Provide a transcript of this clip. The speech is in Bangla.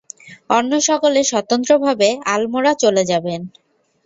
অন্য সকলে স্বতন্ত্রভাবে আলমোড়া চলে যাবেন।